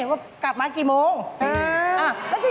ตื่นขึ้นมาอีกทีตอน๑๐โมงเช้า